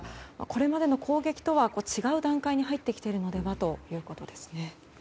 これまでの攻撃とは違う段階に入ってきているのではということですね。